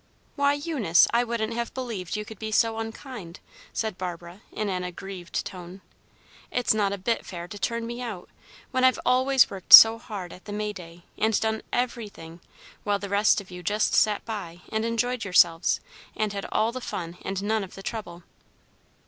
"Why, Eunice, I wouldn't have believed you could be so unkind!" said Barbara, in an aggrieved tone. "It's not a bit fair to turn me out, when I've always worked so hard at the May Day, and done everything, while the rest of you just sat by and enjoyed yourselves, and had all the fun and none of the trouble."